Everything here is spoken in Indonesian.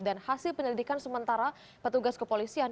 dan hasil penyelidikan sementara petugas kepolisian